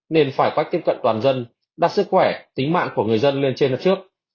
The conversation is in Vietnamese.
nên phải quách tiếp cận toàn dân đặt sức khỏe tính mạng của người dân lên trên hợp trước